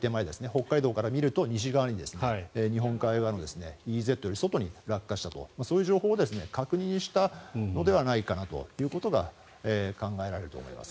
北海道から見ると西側に日本海側のＥＥＺより外に落下したというそういう情報を確認したのではないかなということが考えられると思います。